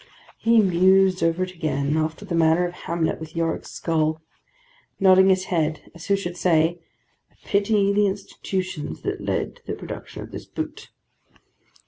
He mused over it again, after the manner of Hamlet with Yorick's skull; nodded his head, as who should say, 'I pity the Institutions that led to the production of this boot!